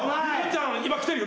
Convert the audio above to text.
今きてるよ。